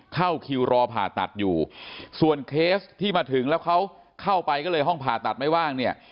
เข้าคิวรอผ่าตัดอยู่ส่วนเคสที่มาถึงแล้วเขาเข้าไปก็เลยห้องผ่าตัดไม่ว่างเนี่ย